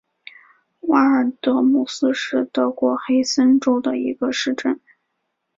瓦尔德姆斯是德国黑森州的一个市镇。